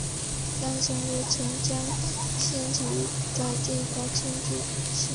将成为钱江新城的地标性建筑。